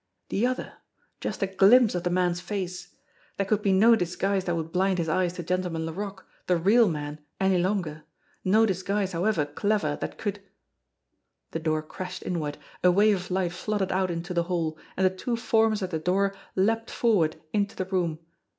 The other! Just a glimpse of the man's face! There could be no disguise that would blind his eyes to Gentleman Laroque, the real man, any longer ; no disguise however clever that could The door crashed inward, a wave of light flooded out into the hall, and the two forms at the door leaped forward into the room.